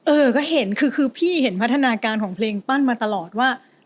เออก็เห็นคือพี่เห็นพัฒนาการของเพลงปั้นมาตลอดว่า